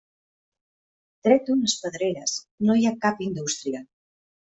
Tret d'unes pedreres, no hi ha cap indústria.